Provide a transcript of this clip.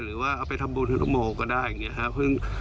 ให้ทุกทุกยานกำลังกลุ่ม